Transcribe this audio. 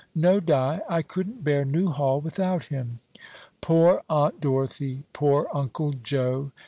No, Di, I couldn't bear Newhall without him." "Poor Aunt Dorothy, poor uncle Joe!